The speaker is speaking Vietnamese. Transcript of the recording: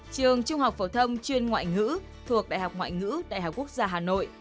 trường trung học phổ thông chuyên ngoại ngữ thuộc đại học ngoại ngữ đại học quốc gia hà nội